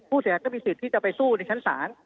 ผู้เสียหายก็มีสิทธิ์ที่จะไปสู้ในขั้นสาร